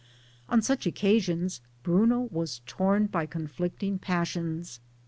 On such occasions Bruno was torn by Conflicting passions.